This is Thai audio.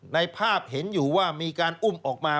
ในภาพเห็นอยู่ว่ามีการอุ้มออกมา